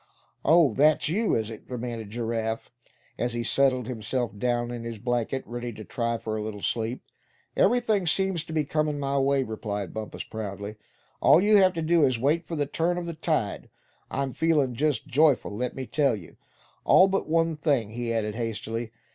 "Oh; and that's you, is it?" demanded Giraffe, as he settled himself down in his blanket, ready to try for a little sleep. "Everything seems to be comin' my way," replied Bumpus, proudly. "All you have to do is to wait for the turn of the tide. I'm feelin' just joyful. let me tell you;—all but one thing;" he added, hastily.